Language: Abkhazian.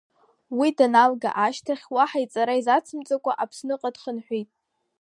Уи даналга ашьҭахь уаҳа иҵара изацымҵакәа Аԥсныҟа дхынҳәит.